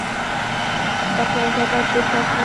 پخلنځی باید ډېر پاک وي.